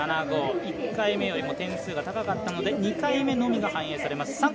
１回目よりも点数が高かったので２回目のみが反映されます。